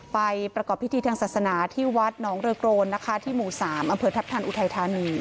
ไปประกอบพิธีทางศาสนาที่วัดหนองเรือโกรนนะคะที่หมู่๓อำเภอทัพทันอุทัยธานี